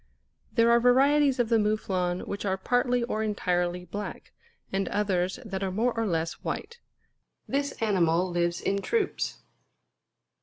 There are varieties of the Mouflon which are partly or entirely black; and others that are more or less white. This animal lives in troops.